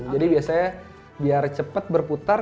jadi biasanya biar cepat berputar